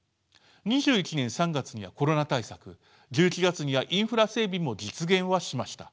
２１年３月にはコロナ対策１１月にはインフラ整備も実現はしました。